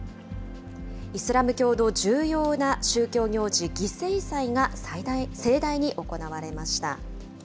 イスラム教の重要な宗教行事、犠牲祭が盛大に行われました。